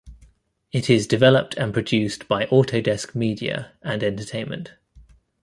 It is developed and produced by Autodesk Media and Entertainment.